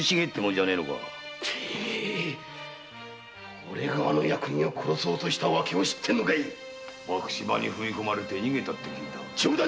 おれがあの役人を殺そうとした訳を知ってるのかいバクチ場に踏み込まれて逃げたと聞いたぜ。